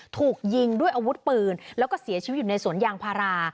ถูกยิงด้วยอาวุธปืนแล้วก็เสียชีวิตอยู่ในสวนยางพารา